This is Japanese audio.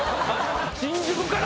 新宿から？